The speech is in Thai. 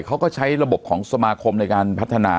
เขาก็ใช้ระบบของสมาคมในการพัฒนา